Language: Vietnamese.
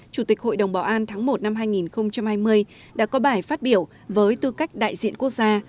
chủ tịch hội đồng bảo an tháng một năm hai nghìn hai mươi đã có bài phát biểu với tư cách đại diện quốc gia